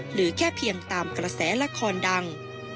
หรือแค่เพียงตามกระแสละครดัง